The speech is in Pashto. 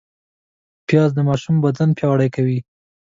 پیاز د ماشوم بدن پیاوړی کوي